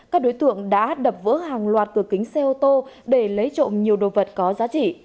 các đối tượng đã đập vỡ hàng loạt cửa kính xe ô tô để lấy trộm nhiều đồ vật có giá trị